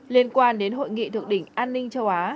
liên quan đến hội nghị thượng đỉnh an ninh châu á